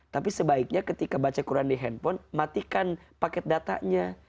tapi sebaiknya ketika baca quran di handphone matikan paket datanya